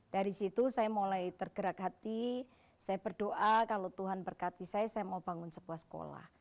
dari situ saya mulai tergerak hati saya berdoa kalau tuhan berkati saya saya mau bangun sebuah sekolah